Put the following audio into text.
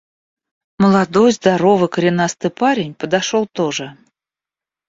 Молодой, здоровый, коренастый парень подошел тоже.